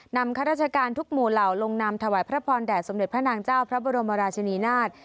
ข้าราชการทุกหมู่เหล่าลงนำถวายพระพรแด่สมเด็จพระนางเจ้าพระบรมราชินีนาฏ